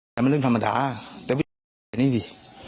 แต่มันเรื่องธรรมดาแต่วิธีการแบบนี้ดิ